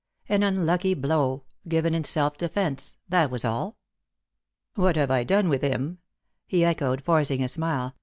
An unlucky blow — given in self defence — that was all. " What have I done with him ?" he echoed, forcing a smile.